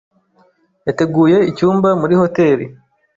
Yateguye icyumba muri hoteri.